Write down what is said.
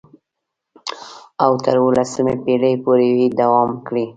او تر اوولسمې پېړۍ پورې یې دوام کړی.